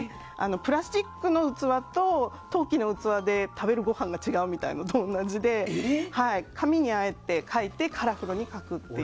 プラスチックの器と陶器の器で食べるご飯が違うみたいなのと同じで紙にあえてカラフルに書くと。